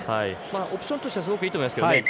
オプションとしてはすごくいいと思いますね。